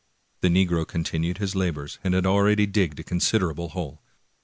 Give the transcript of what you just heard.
The negro continued his labors, and had already digged a considerable hole.